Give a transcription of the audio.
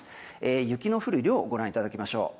雪の降る量をご覧いただきましょう。